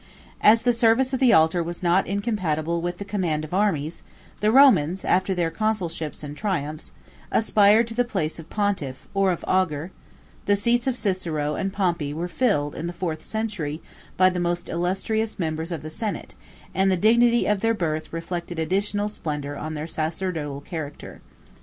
As the service of the altar was not incompatible with the command of armies, the Romans, after their consulships and triumphs, aspired to the place of pontiff, or of augur; the seats of Cicero 5 and Pompey were filled, in the fourth century, by the most illustrious members of the senate; and the dignity of their birth reflected additional splendor on their sacerdotal character.